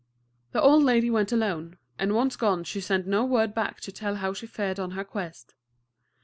The old lady went alone, and once gone she sent no word back to tell how she fared on her quest.